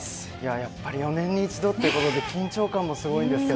やっぱり４年に一度ということで緊張感もすごいです。